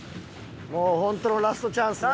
もう本当のラストチャンスね。